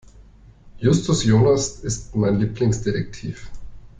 Justus Jonas ist mein Lieblingsdetektiv.